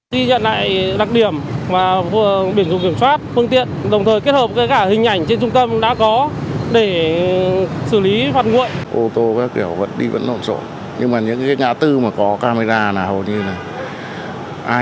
theo thống kê sau đợt cao điểm tổng kiểm soát phương tiện giao thông thời gian vừa qua